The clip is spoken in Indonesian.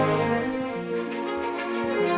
apa yang kau bicarakan